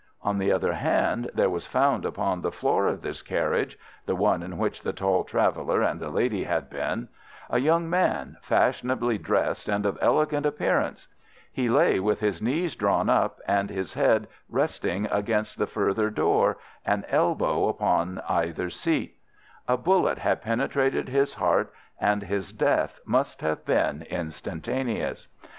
On the other hand, there was found upon the floor of this carriage—the one in which the tall traveller and the lady had been—a young man, fashionably dressed and of elegant appearance. He lay with his knees drawn up, and his head resting against the further door, an elbow upon either seat. A bullet had penetrated his heart and his death must have been instantaneous.